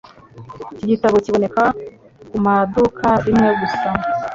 Iki gitabo kiboneka kumaduka imwe gusa.